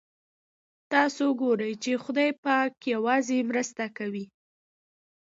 تاسو ګورئ چې خدای پاک یوازې مرسته کوي.